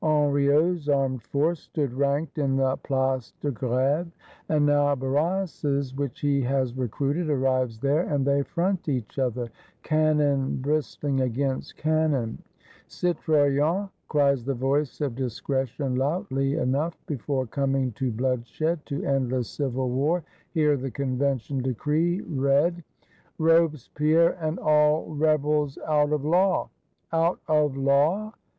Henriot's Armed Force stood ranked in the Place de Greve; and now Barras's, which he has recruited, arrives there, and they front each other, can non bristling against cannon. Citoyens! cries the voice of Discretion loudly enough. Before coming to blood shed, to endless civil war, hear the Convention Decree read: " Robespierre and all rebels Out of Law!" — Out of Law?